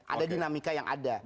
ada dinamika yang ada